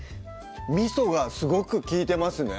みそがすごく利いてますね